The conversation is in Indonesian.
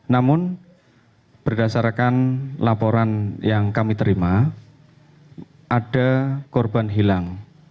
namun berdasarkan laporan yang kami terima ada korban hilang